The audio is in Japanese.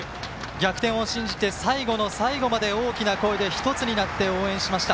逆転を信じて、最後の最後まで大きな声で１つになって応援しました。